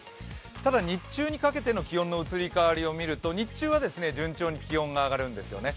ただ、日中にかけての気温の移り変わりを見ると日中は順調に気温が上がるんですよね。